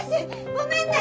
ごめんね！